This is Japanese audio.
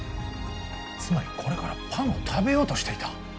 つまりこれからパンを食べようとしていた。